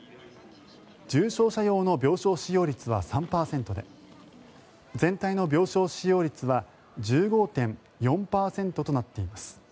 重症者用の病床使用率は３％で全体の病床使用率は１５．４％となっています。